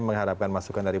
mengharapkan masukan dari